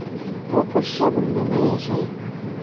Ул күрше бүлмәлә йәшәй.